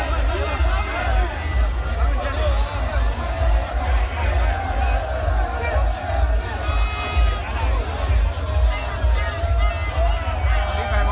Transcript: ส่วนใหญ่เลยครับ